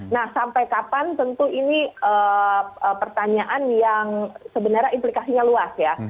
nah sampai kapan tentu ini pertanyaan yang sebenarnya implikasinya luas ya